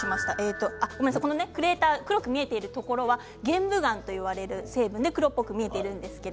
黒く見えているところは玄武岩といわれている成分で黒っぽく見えています。